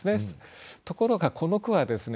ところがこの句はですね